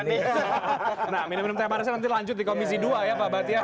nah minum minum teman saya nanti lanjut di komisi dua ya pak bakhtiar